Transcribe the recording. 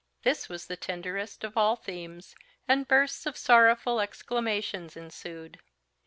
This was the tenderest of all themes, and bursts of sorrowful exclamations ensued.